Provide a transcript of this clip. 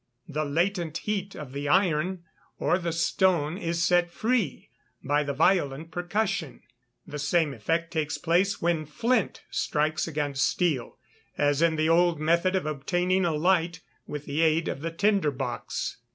_ The latent heat of the iron or the stone is set free by the violent percussion. The same effect takes place when flint strikes against steel, as in the old method of obtaining a light with the aid of the tinder box.